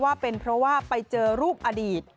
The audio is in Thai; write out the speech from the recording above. ว่าเป็นเพราะว่าไปเจอรูปอดีต